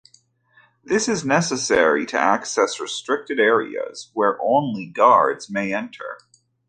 This is necessary to access restricted areas where only guards may enter.